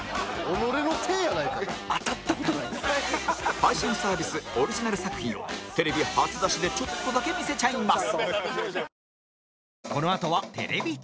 配信サービスオリジナル作品をテレビ初出しでちょっとだけ見せちゃいます